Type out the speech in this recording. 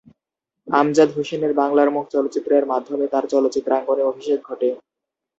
আমজাদ হোসেনের "বাংলার মুখ" চলচ্চিত্রের মাধ্যমে তার চলচ্চিত্রাঙ্গনে অভিষেক ঘটে।